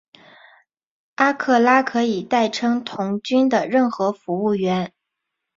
阿克拉可以代称童军的任何服务员。